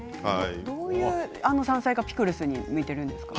どういう山菜がピクルスに向いているんですか？